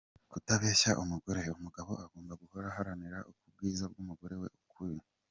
Kutabeshya umugore : umugabo agomba guhora aharanira kubwiza umugore we ukuri.